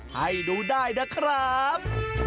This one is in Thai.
ให้ดูได้นะครับ